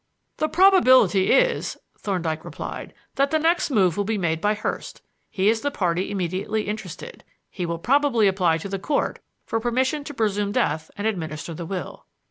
"The probability is," Thorndyke replied, "that the next move will be made by Hurst. He is the party immediately interested. He will probably apply to the Court for permission to presume death and administer the will."